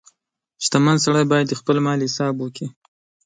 • شتمن سړی باید د خپل مال حساب وکړي.